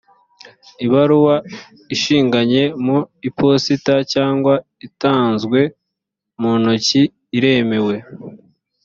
ibaruwa ishinganye mu iposita cyangwa itanzwe mu ntoki iremewe